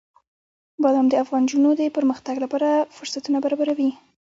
بادام د افغان نجونو د پرمختګ لپاره فرصتونه برابروي.